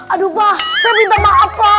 aduh pak saya minta maaf pak